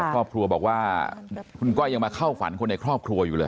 ครอบครัวบอกว่าคุณก้อยยังมาเข้าฝันคนในครอบครัวอยู่เลย